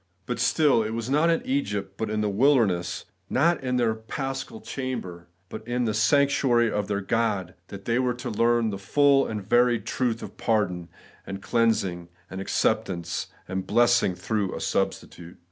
But still it was not in Egypt, but in the wilder ness; not in their paschal chamber, but in the sanctuary of their God, that they were ta learn the full and varied truth of pardon, and cleansing, and acceptance, and blessing through a substitute.